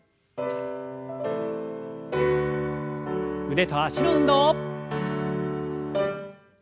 腕と脚の運動。